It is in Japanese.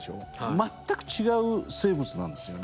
全く違う生物なんですよ。